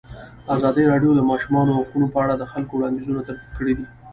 ازادي راډیو د د ماشومانو حقونه په اړه د خلکو وړاندیزونه ترتیب کړي.